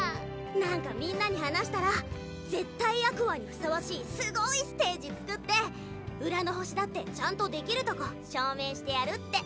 何かみんなに話したら絶対Ａｑｏｕｒｓにふさわしいすごいステージつくって浦の星だってちゃんとできるとこ証明してやるって。